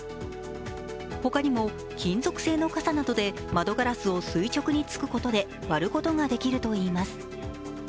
他にも金属製の傘などで窓ガラスを垂直に突くことで割ることができるといいます。